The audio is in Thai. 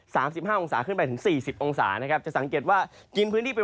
สิบห้าองศาขึ้นไปถึงสี่สิบองศานะครับจะสังเกตว่ากินพื้นที่ไป